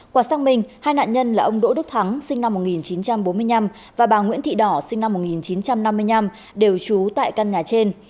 quả sang minh hai nạn nhân là ông đỗ đức thắng sinh năm một nghìn chín trăm bốn mươi năm và bà nguyễn thị đỏ sinh năm một nghìn chín trăm năm mươi năm đều trú tại căn nhà trên